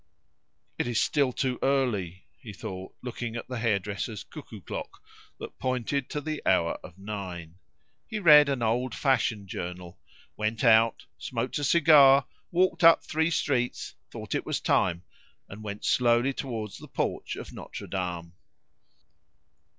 "It is still too early," he thought, looking at the hairdresser's cuckoo clock, that pointed to the hour of nine. He read an old fashion journal, went out, smoked a cigar, walked up three streets, thought it was time, and went slowly towards the porch of Notre Dame.